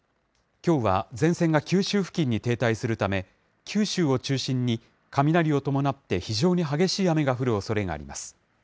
きょうは前線が九州付近に停滞するため、九州を中心に雷を伴って非常に激しい雨が降るおそれがあります。